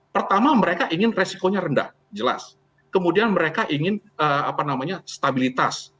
pertama mereka ingin resikonya rendah jelas kemudian mereka ingin stabilitas